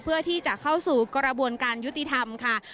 เพื่อที่จะเข้าสู่กระบวนการยุติธรรมค่ะ